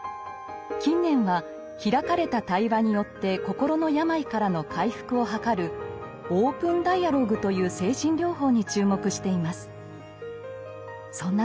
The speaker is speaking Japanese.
近年は開かれた対話によって心の病からの回復を図る「オープンダイアローグ」という精神療法に注目しています。